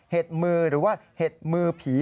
มือหรือว่าเห็ดมือผี